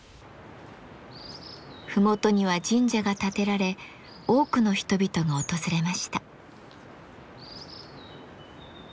麓には神社が建てられ多くの人々が訪れました。